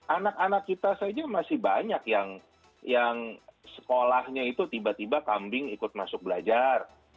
anak anak kita saja masih banyak yang sekolahnya itu tiba tiba kambing ikut masuk belajar